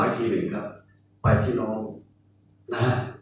ทพีเย